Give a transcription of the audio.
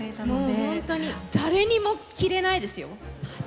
もう本当に誰にも着れないですよ。